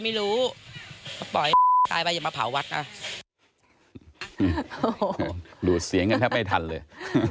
หลุดเสียงกันแทบไม่ทันเลย